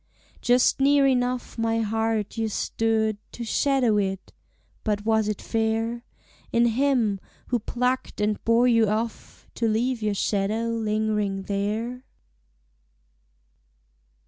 Just near enough my heart you stood To shadow it, but was it fair In him, who plucked and bore you off, To leave your shadow lingering there?